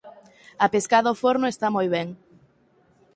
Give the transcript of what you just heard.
A pescada ao forno está moi ben.